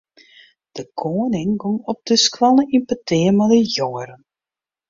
De koaning gong op de skoalle yn petear mei de jongeren.